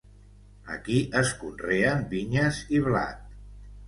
Aquí es conreen vinyes i blat.